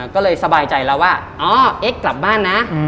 ก็เลยสบายใจแล้วว่าอ๋อเอ็กซ์กลับบ้านนะ